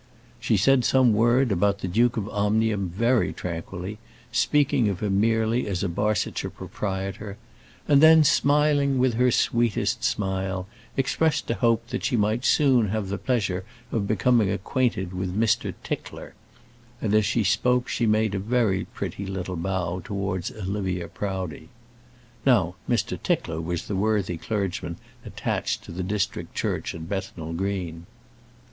She said some word about the Duke of Omnium very tranquilly, speaking of him merely as a Barsetshire proprietor, and then, smiling with her sweetest smile, expressed a hope that she might soon have the pleasure of becoming acquainted with Mr. Tickler; and as she spoke she made a pretty little bow towards Olivia Proudie. Now Mr. Tickler was the worthy clergyman attached to the district church at Bethnal Green.